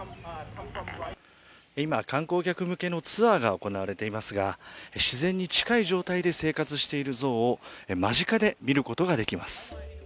今、観光客向けのツアーが行われていますが自然に近い状態で生活しているゾウを間近で見ることができます。